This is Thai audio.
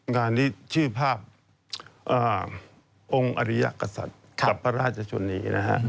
งานนี้ชื่อภาพองค์อริยกษัตริย์กับพระราชชนีนะฮะ